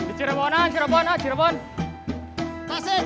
di cirebonan cirebonan cirebonan